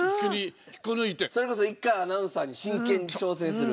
それこそ一回アナウンサーに真剣に挑戦する。